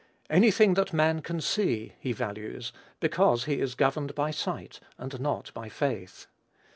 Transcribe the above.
Any thing that man can see he values, because he is governed by sight, and not by faith.